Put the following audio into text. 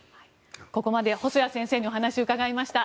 ここまで細谷先生にお話を伺いました。